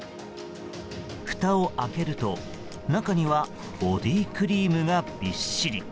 ふたを開けると、中にはボディークリームがびっしり。